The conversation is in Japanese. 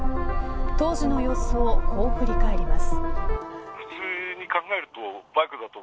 当時の様子をこう振り返ります。